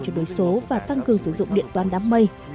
chuẩn đối số và tăng cường sử dụng điện toán đám mây